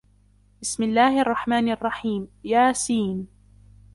بِسْمِ اللَّهِ الرَّحْمَنِ الرَّحِيمِ يس